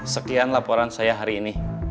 sekian laporan saya hari ini